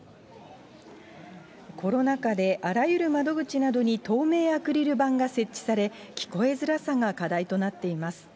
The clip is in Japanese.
コロナ禍で、あらゆる窓口などに透明アクリル板が設置され、聞こえづらさが課題となっています。